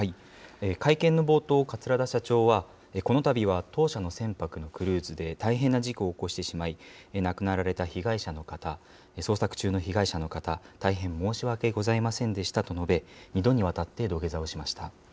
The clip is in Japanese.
会見の冒頭、桂田社長は、このたびは当社の船舶のクルーズで大変な事故を起こしてしまい、亡くなられた被害者の方、捜索中の被害者の方、大変申し訳ございませんでしたと述べ、２度にわたって土下座をしました。